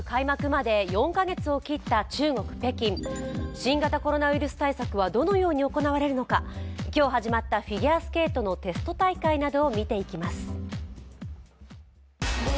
新型コロナウイルス対策はどのように行われるのか今日始まったフィギュアスケートのテスト大会などを見ていきます。